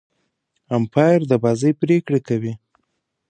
امپاير د بازۍ پرېکړي کوي.